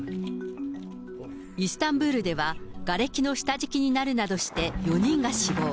イスタンブールでは、がれきの下敷きになるなどして４人が死亡。